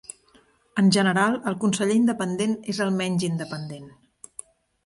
En general el conseller independent és el menys independent.